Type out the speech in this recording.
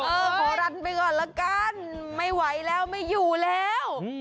ขอรันไปก่อนละกันไม่ไหวแล้วไม่อยู่แล้ว